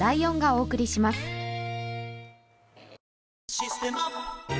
「システマ」